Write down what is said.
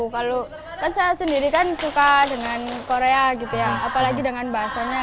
kalau kan saya sendiri kan suka dengan korea gitu ya apalagi dengan bahasanya